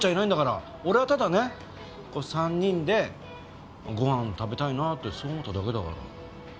俺はただね３人でご飯食べたいなってそう思っただけだから。